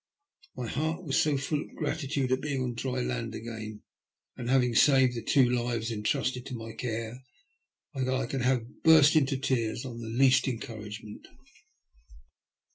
My heart was so full of 153 THE LUST OP HATB. gratitude at being on dry land again and having saved the two lives entrusted to my care that I could have burst into tears on the least encouragement.